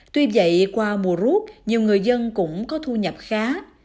tuy vậy qua mùa rút nhiều người dân cũng có thu nhập khá